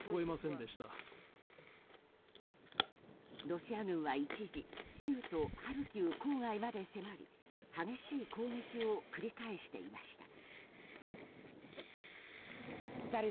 ロシア軍は一時州都ハルキウ郊外まで迫り激しい攻撃を繰り返していました。